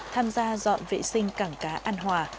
tham gia dọn vệ sinh cảng cá ăn hòa